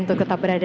untuk tetap berada